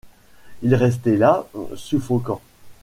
Il restait là, suffoquant.